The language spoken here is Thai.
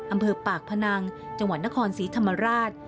อำเภอปากพนังจังหวัดนครศรีธรรมราช